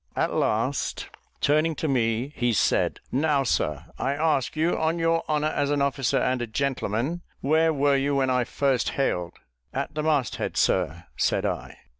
At last, turning to me, he said, "Now, sir, I ask you, on your honour, as an officer and a gentleman, where were you when I first hailed?" "At the mast head, sir," said I.